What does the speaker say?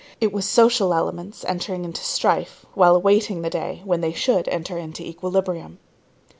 It was social elements entering into strife, while awaiting the day when they should enter into equilibrium.